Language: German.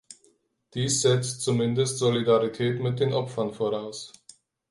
Dies setzt zumindest Solidarität mit den Opfern voraus.